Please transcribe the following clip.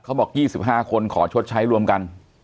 เขาบอก๒๕คนขอชดใช้รวมกัน